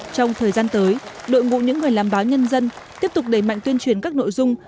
trong thời gian tới đội ngũ những người làm báo nhân dân tiếp tục đẩy mạnh tuyên truyền các nội dung